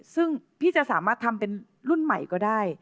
ซึ่งพี่จะสามารถทำเป็นรุ่นใหม่ก็ได้